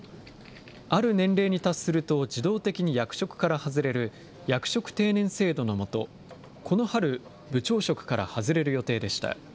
ある年齢に達すると自動的に役職から外れる、役職定年制度のもと、この春、部長職から外れる予定でした。